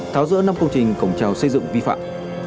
tháo rỡ năm công trình cổng trào xây dựng vi phạm